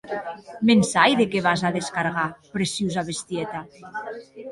Me’n sai de qué vas a descargar, preciosa bestieta.